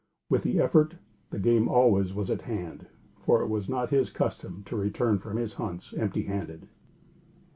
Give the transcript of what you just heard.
With the effort the game always was at hand; for, it was not his custom to return from his hunts empty handed.